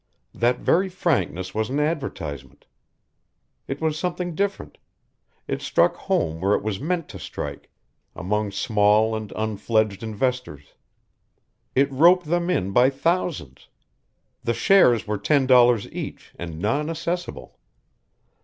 That very frankness was an advertisement. It was something different. It struck home where it was meant to strike among small and unfledged investors. It roped them in by thousands. The shares were ten dollars each, and non assessable.